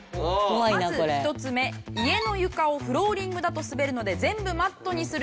まず１つ目家の床をフローリングだと滑るので全部マットにする。